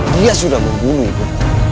dia sudah membunuh ibu